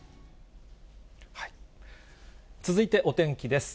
続いてお天気です。